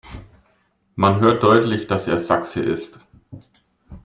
Man hört deutlich, dass er Sachse ist.